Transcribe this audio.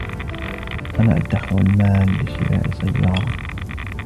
أنا أدّخر المال لشراء سيارة.